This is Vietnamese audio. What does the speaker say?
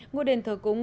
ngôi đền thờ cúng